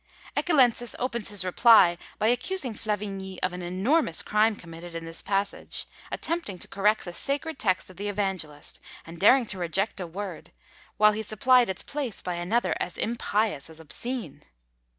Ecchellensis opens his reply by accusing Flavigny of an enormous crime committed in this passage; attempting to correct the sacred text of the Evangelist, and daring to reject a word, while he supplied its place by another as impious as obscene!